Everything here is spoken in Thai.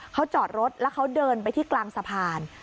เขาจอดรถแล้วเขาเดินไปที่กลางสะพาน